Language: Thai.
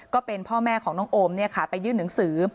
ก็เป็นพ่อแม่ของน้องโอมไปยื่นหนังสือ